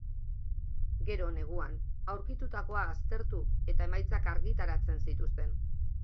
Gero, neguan, aurkitutakoa aztertu eta emaitzak argitaratzen zituzten.